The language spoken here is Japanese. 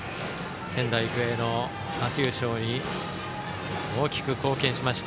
仙台育英の初優勝に大きく貢献しました。